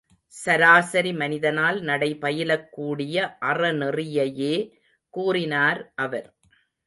சராசரி மனிதனால் நடை பயிலக்கூடிய அறநெறியையே கூறினார் அவர்.